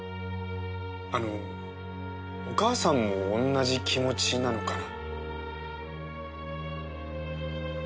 あのお母さんも同じ気持ちなのかな？